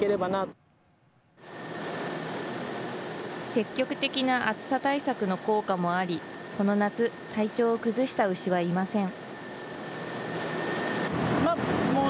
積極的な暑さ対策の効果もあり、この夏、体調を崩した牛はいません。